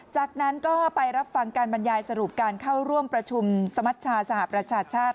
จากนั้นก็ไปรับฟังการบรรยายสรุปการเข้าร่วมประชุมสมัชชาสหประชาชาติ